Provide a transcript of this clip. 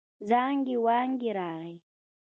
زانګې وانګې راغی.